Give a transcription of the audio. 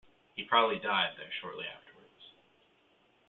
He probably died there shortly afterwards.